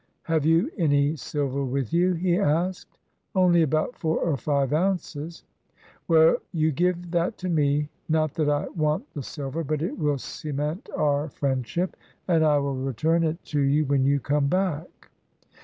"Have you any silver with you?" he asked. "Only about four or five ounces." "Well, you give that to me. Not that I want the sil ver, but it will cement our friendship, and I will return it to you when you come back."